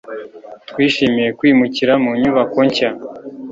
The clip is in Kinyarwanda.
twishimiye kwimukira mu nyubako nshya